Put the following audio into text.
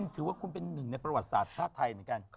ถือว่าคุณเป็นหนึ่งในประวัติศาสตร์ชาติไทยเหมือนกัน